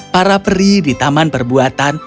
para peri di taman perbuatan